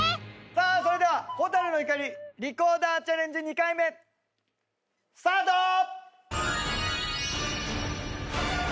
さあそれでは『蛍の光』リコーダーチャレンジ２回目スタート！